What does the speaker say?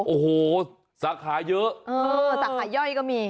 โอ้โหสาขาเยอะสาขาย่อยก็มี